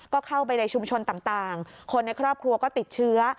ก็เข้าไปในชุมชนต่างคนในครอบครัวก็ติดเชื้อ